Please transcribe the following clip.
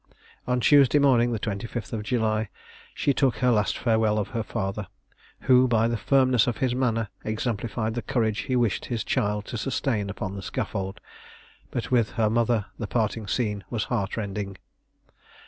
On Tuesday morning, the 25th July, she took her last farewell of her father, who, by the firmness of his manner, exemplified the courage he wished his child to sustain upon the scaffold: but with her mother the parting scene was heart rending.